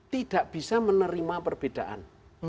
tidak bisa menerima perbedaan